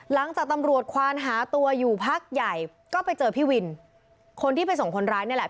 หลังจากตำรวจควานหาตัวอยู่พักใหญ่ก็ไปเจอพี่วินคนที่ไปส่งคนร้ายนี่แหละ